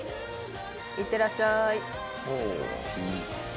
いってらっしゃい。